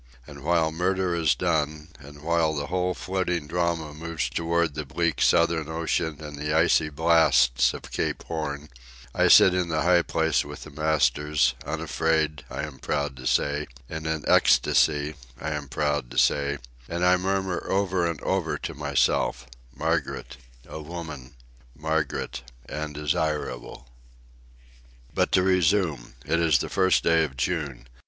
And while murder is done, and while the whole floating drama moves toward the bleak southern ocean and the icy blasts of Cape Horn, I sit in the high place with the masters, unafraid, I am proud to say, in an ecstasy, I am proud to say, and I murmur over and over to myself—Margaret, a woman; Margaret, and desirable. But to resume. It is the first day of June.